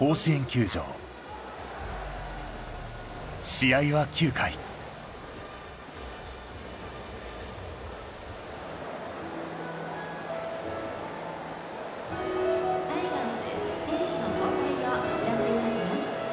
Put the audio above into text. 試合は９回タイガース選手の交代をお知らせいたします